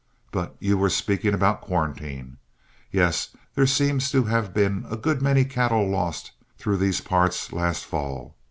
But you were speaking about quarantine. Yes; there seems to have been a good many cattle lost through these parts last fall.